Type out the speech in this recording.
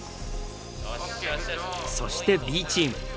そしてＢチーム。